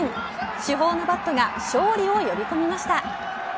主砲のバットが勝利を呼び込みました。